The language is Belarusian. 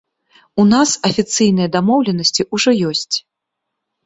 У нас афіцыйныя дамоўленасці ўжо ёсць.